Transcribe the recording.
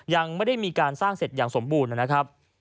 ยังไม่ได้มีการสร้างเสร็จอย่างสมบูรณ์นะครับ